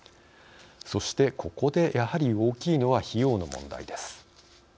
そして、ここでやはり大きいのは費用の問題です。